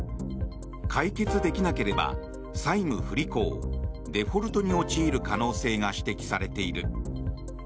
解決できなければ債務不履行、デフォルトに陥る可能性が指摘されている。